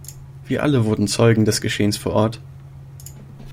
Wir alle wurden Zeugen des Geschehens vor Ort.